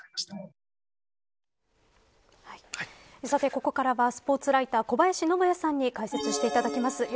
さて、ここからはスポーツライター小林信也さんに解説していただきます。